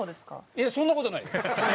いやそんな事ないよ。